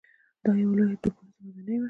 دا یوه لویه دوه پوړیزه ودانۍ وه.